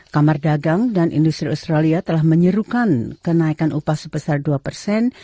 kamar dagang dan industri australia telah menyerukan kenaikan upah sebesar dua persen